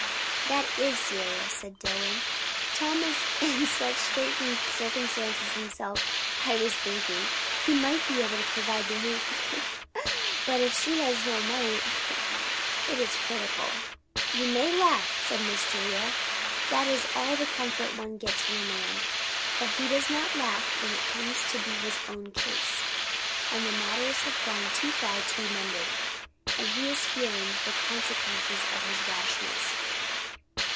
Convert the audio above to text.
"That is serious," said Dillwyn. "Tom is in such straitened circumstances himself. I was thinking, he might be able to provide the hoop; but if she has no money, it is critical." "You may laugh!" said Miss Julia. "That is all the comfort one gets from a man. But he does not laugh when it comes to be his own case, and matters have gone too far to be mended, and he is feeling the consequences of his rashness."